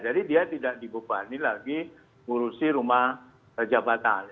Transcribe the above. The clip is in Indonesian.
jadi dia tidak digubah ini lagi ngurusi rumah jabatan